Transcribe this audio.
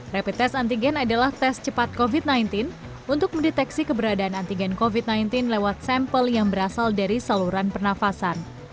rapid test antigen adalah tes cepat covid sembilan belas untuk mendeteksi keberadaan antigen covid sembilan belas lewat sampel yang berasal dari saluran pernafasan